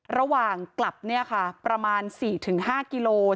ระหว่างกลับประมาณ๔๕กิโล